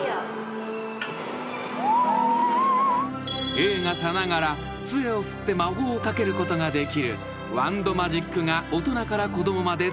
［映画さながらつえを振って魔法をかけることができるワンド・マジックが大人から子供まで大人気］